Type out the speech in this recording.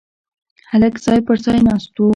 هلک ځای پر ځای ناست و.